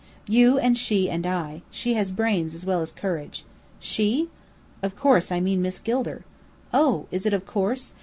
"You and she and I. She has brains as well as courage." "She?" "Of course I mean Miss Gilder." "Oh! Is it 'of course'?